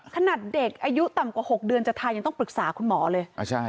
ขนาดเด็กอายุต่ำกว่า๖เดือนจะทานยังต้องปรึกษาคุณหมอเลย